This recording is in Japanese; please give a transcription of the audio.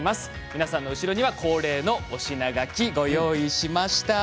皆さんの後ろには恒例の推し名書き、ご用意しました。